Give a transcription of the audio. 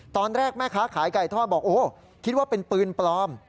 ตอนแรกแม่ค้าขายไก่ทอดบอกโอ้คิดว่าเป็นปืนปลอม